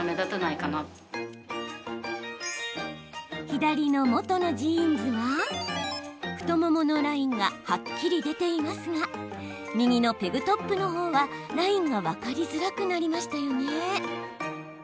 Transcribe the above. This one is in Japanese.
左の元のジーンズは太もものラインがはっきり出ていますが右のペグトップのほうはラインが分かりづらくなりましたよね。